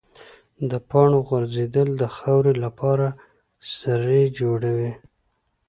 د پاڼو غورځېدل د خاورې لپاره سرې جوړوي.